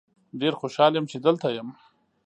ډیر خوشحال یم چې دلته یم.